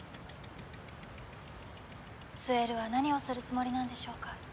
スエルは何をするつもりなんでしょうか。